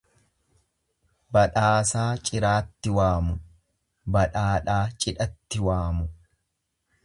Badhaasaa ciraatti waamu, badhaadhaa cidhatti waamu.